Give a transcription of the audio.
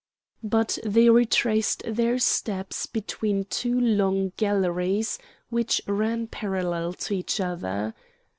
But they retraced their steps between two long galleries which ran parallel to each other.